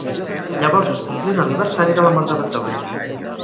Llavors es complí l'aniversari de la mort de Beethoven.